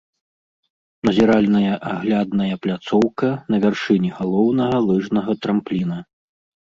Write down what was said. Назіральная аглядная пляцоўка на вяршыні галоўнага лыжнага трампліна.